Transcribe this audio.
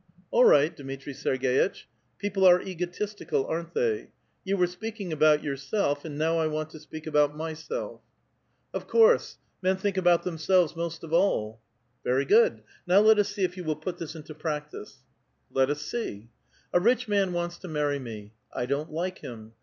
*' All right, Dmitri Serg6itch ; people are egotistical, aren't they? You were speaking about yourself, and now I want to speak aboat myself." 88 A VITAL QUESTION. *'0f course, men must tbink about themselves most of all." "Very good. Now let us see if you will put this into practice." '^ Let us see." '*A rich man wants to marry me. I don't like him.